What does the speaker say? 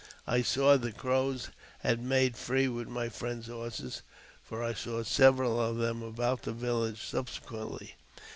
I saw the Crows had made free with my friend's horses, for I saw several of them about the village sub sequently.